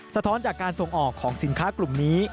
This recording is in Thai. สะท้อนจากการส่งออกของสินค้ากลุ่มนี้